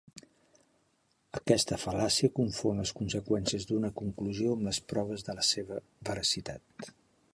Aquesta fal·làcia confon les conseqüències d'una conclusió amb les proves de la seva veracitat.